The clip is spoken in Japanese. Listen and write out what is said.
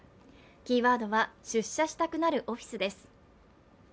キーワードは、出社したくなるオフィスです。